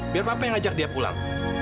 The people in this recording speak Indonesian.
biar bapak yang ajak dia pulang